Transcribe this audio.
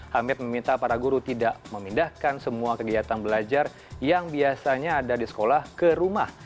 hamid meminta para guru tidak memindahkan semua kegiatan belajar yang biasanya ada di sekolah ke rumah